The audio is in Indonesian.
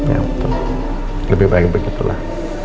ya betul lebih baik begitu lah